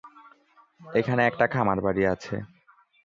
এখানে একটা খামারবাড়ি আছে।